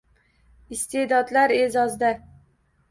Iste’dodlar e’zozda